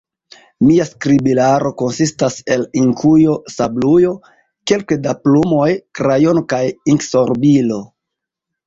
Mia skribilaro konsistas el inkujo, sablujo, kelke da plumoj, krajono kaj inksorbilo.